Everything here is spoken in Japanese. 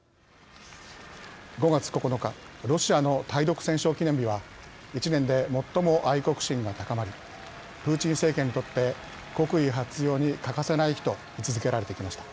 ５月９日、ロシアの対独戦勝記念日は一年で最も愛国心が高まりプーチン政権にとって国威発揚に欠かせない日と位置づけられてきました。